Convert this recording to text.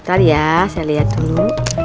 entar ya necesita lihat dulu